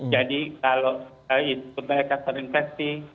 jadi kalau itu mereka terinfeksi